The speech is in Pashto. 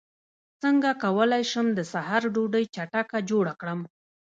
څنګه کولی شم د سحر ډوډۍ چټکه جوړه کړم